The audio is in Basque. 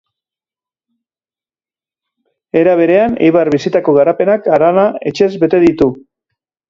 Era berean, Eibar bizitako garapenak harana etxez bete ditu.